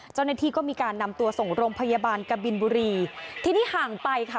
เจ้าหน้าที่ก็มีการนำตัวส่งโรงพยาบาลกบินบุรีทีนี้ห่างไปค่ะ